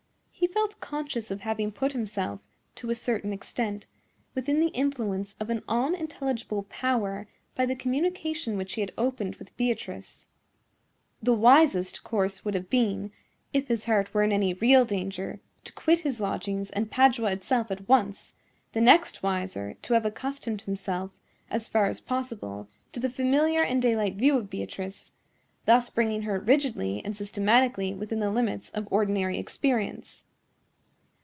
He felt conscious of having put himself, to a certain extent, within the influence of an unintelligible power by the communication which he had opened with Beatrice. The wisest course would have been, if his heart were in any real danger, to quit his lodgings and Padua itself at once; the next wiser, to have accustomed himself, as far as possible, to the familiar and daylight view of Beatrice—thus bringing her rigidly and systematically within the limits of ordinary experience.